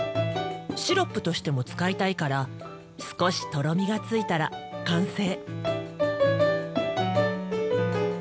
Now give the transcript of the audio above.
シロップとしても使いたいから少しとろみがついたら完成。